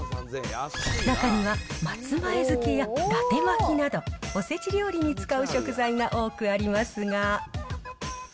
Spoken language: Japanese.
中には松前漬けやだて巻きなど、おせち料理に使う食材が多くありますが。